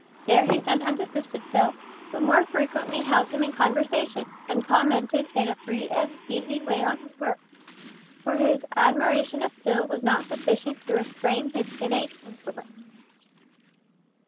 There he sometimes assisted Phil, but more frequently held him in conversation, and commented in a free and easy way on his work, for his admiration of Phil was not sufficient to restrain his innate insolence.